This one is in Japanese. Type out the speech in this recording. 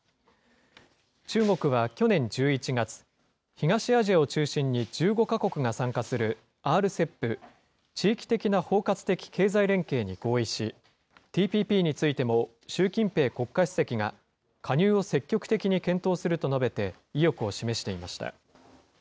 中国は去年１１月、東アジアを中心に１５か国が参加するＲＣＥＰ・地域的な包括的経済連携に合意し、ＴＰＰについても、習近平国家主席が加入を積極的に検討すると述べて意欲を示していました。